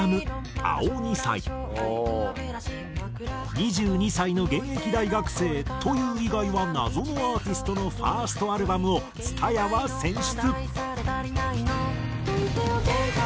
２２歳の現役大学生という以外は謎のアーティストのファーストアルバムを蔦谷は選出。